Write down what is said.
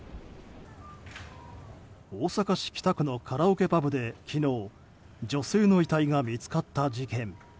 大阪市北区のカラオケパブで昨日、女性の遺体が見つかった事件。